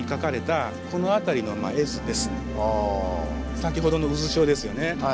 先ほどの渦潮ですよね。